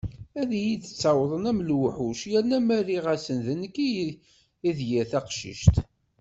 Ad iyi-d-ttawḍen am lewḥuc yerna ma rriɣ-asen d nekk i d yir taqcict.